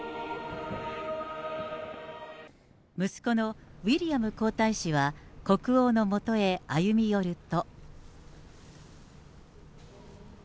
息子のウィリアム皇太子は、国王のもとへ歩み寄ると。